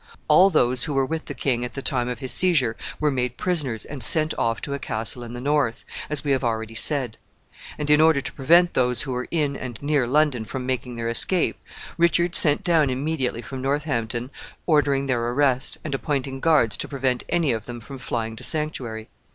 All those who were with the king at the time of his seizure were made prisoners and sent off to a castle in the north, as we have already said; and, in order to prevent those who were in and near London from making their escape, Richard sent down immediately from Northampton ordering their arrest, and appointing guards to prevent any of them from flying to sanctuary.